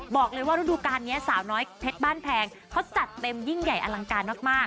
กระดูกการนี้สาวน้อยเพชรบ้านแพงเขาจัดเต็มยิ่งใหญ่อลังการมาก